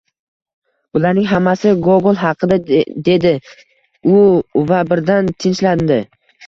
Bularning hammasi Gogol haqida! – dedi u va birdan tinchlandi.